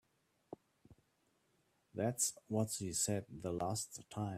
That's what she said the last time.